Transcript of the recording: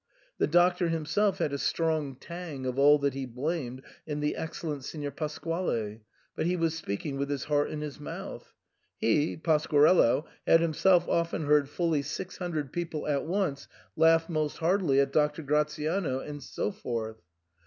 The Doctor him self had a strong tang of all that he blamed in the ex cellent Signor Pasquale ; but he was speaking with his heart in his mouth ; he (Pasquarello) had himself often heard fully six hundred people at once laugh most heartily at Doctor Gratiano, and so forth.